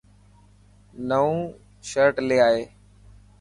نئون شرٽ لي آءِ.